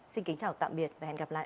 xin kính chào tạm biệt và hẹn gặp lại